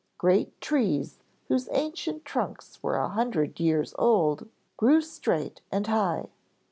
Great trees whose ancient trunks were hundred of years old, grew straight and high.